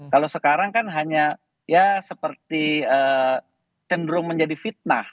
kalau sekarang kan hanya ya seperti cenderung menjadi fitnah